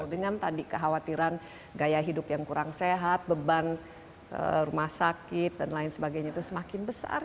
dengan tadi kekhawatiran gaya hidup yang kurang sehat beban rumah sakit dan lain sebagainya itu semakin besar